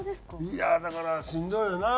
いやだからしんどいよな？